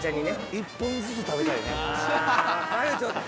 １本ずつ食べたいね。